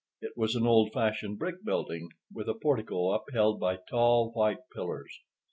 It was an old fashioned brick building, with a portico upheld by tall white pillars.